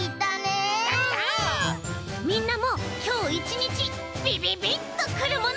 みんなもきょう１にちビビビッとくるもの。